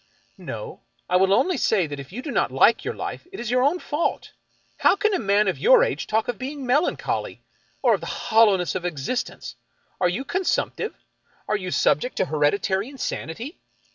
" No. I will only say that if you do not like your life, it is your own fault. How can a man of your age talk of being melancholy, or of the hollowness of existence? Are you consumptive? Are you subject to hereditary insanity?